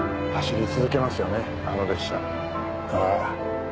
ああ。